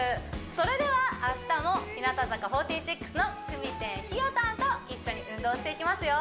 それでは明日も日向坂４６のくみてんひよたんと一緒に運動していきますよ